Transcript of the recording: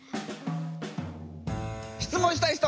質問したい人。